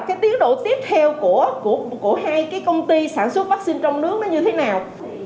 cái tiến độ tiếp theo của hai cái công ty sản xuất vaccine trong nước nó như thế nào